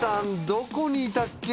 どこにいたっけ？